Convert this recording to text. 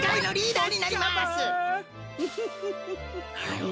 はい？